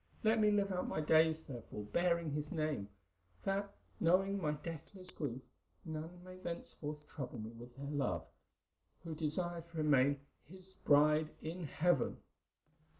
Let me live out my days, therefore, bearing his name, that, knowing my deathless grief, none may thenceforth trouble me with their love, who desire to remain his bride in heaven."